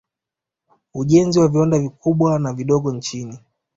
Ujenzi wa viwanda vikubwa na vidogo nchini